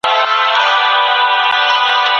د ژوند خوند په زده کړه او کار کي دی.